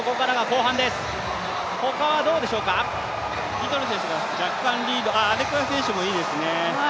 リトル選手が若干リード、アデコヤ選手もいいですね。